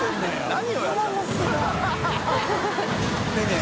何？